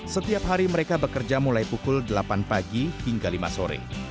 setiap hari mereka bekerja mulai pukul delapan pagi hingga lima sore